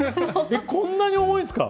こんなに重いんすか？